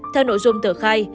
theo nội dung tờ khai